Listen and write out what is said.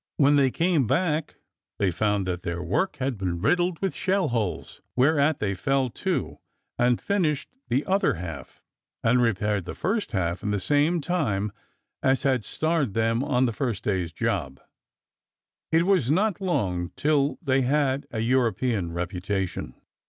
When they came back, they found that their work had been riddled with shell holes, whereat they fell to and finished the other half and repaired the first half in the same time as had starred them on the first day's job. It was not long till they had a European reputation.